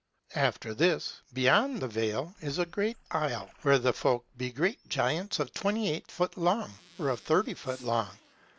After this, beyond the vale, is a great isle, where the folk be great giants of twenty eight foot long, or of thirty foot long.